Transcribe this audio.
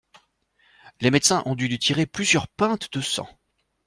Les médecins ont dû lui tirer plusieurs pintes de sang.